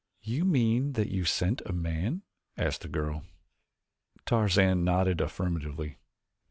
"You mean that you scent a man?" asked the girl. Tarzan nodded affirmatively.